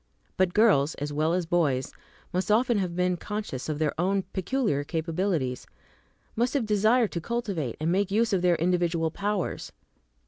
But girls, as well as boys, must often have been conscious of their own peculiar capabilities, must have desired to cultivate and make use of their individual powers.